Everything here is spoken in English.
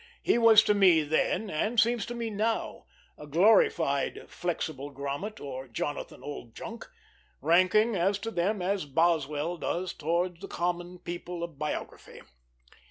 He was to me then, and seems to me now, a glorified Flexible Grommet or Jonathan Oldjunk; ranking, as to them, as Boswell does towards the common people of biography.